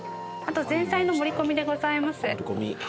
あと前菜の盛り込みでございます。